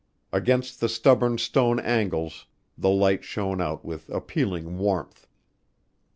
Against the stubborn stone angles the light shone out with appealing warmth.